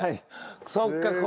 そっか